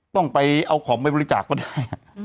ต้องไปเอาของไปบริจาคก็ได้